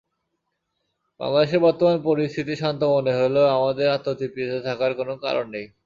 বাংলাদেশের বর্তমান পরিস্থিতি শান্ত মনে হলেও আমাদের আত্মতৃপ্তিতে থাকার কোনো কারণ নেই।